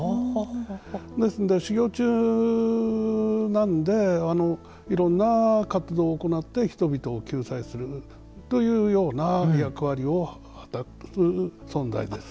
ですので、修行中なのでいろんな活動を行って人々を救済するというような役割を果たす存在です。